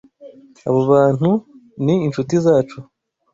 Aba bantu ni inshuti zacu.